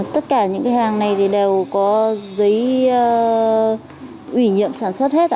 tất cả những cái hàng này thì đều có giấy ủy nhiệm sản xuất hết